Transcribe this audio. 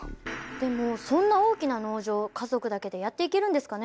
でもそんな大きな農場家族だけでやっていけるんですかね？